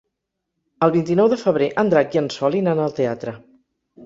El vint-i-nou de febrer en Drac i en Sol iran al teatre.